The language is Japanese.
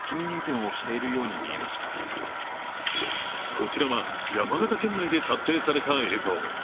こちらは山形県内で撮影された映像。